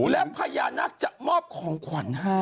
และพญานาคจะมอบของขวัญให้